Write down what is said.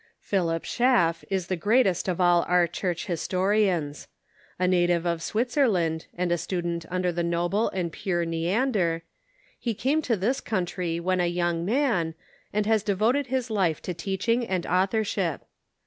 Philip Schaflf is the greatest of all Fisher, Smith, Q^ ^y Church historians. A native of Switzerland, and a student under the noble and pure Neander, he came to this country when a young man, and has devoted his life to teaching and authorship.